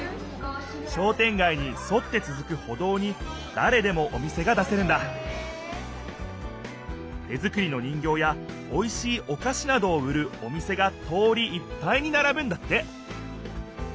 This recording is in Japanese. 商店街にそってつづく歩道にだれでもお店が出せるんだ手作りの人形やおいしいおかしなどを売るお店が通りいっぱいにならぶんだって。